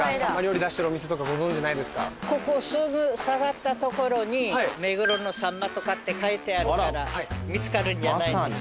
ここすぐ下がった所に「目黒のさんま」とかって書いてあるから見つかるんじゃないですか？